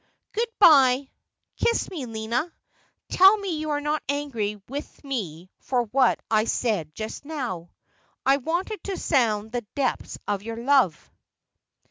' Good bye ! Kiss me, Lina. Tell me you are not angry with me for what I said just now. 1 wanted to sound the depths of your love.'